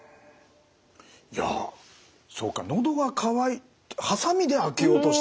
いやそうかのどが渇いハサミで開けようとしたっていう。